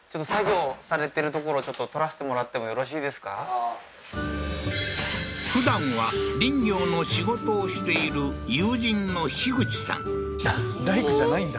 おおーふだんは林業の仕事をしている友人の樋口さん大工じゃないんだ